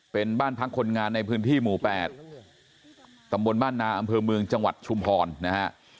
เป็นบ้านพักคนงานในพื้นที่หมู่๘ตำบลบ้านนาอำเภอเมืองจังหวัดชุมพรนะฮะ